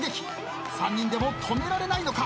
３人でも止められないのか？